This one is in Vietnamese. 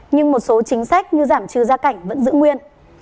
nhưng một số chính sách như giảm trừ gia cảnh vẫn giữ nguyên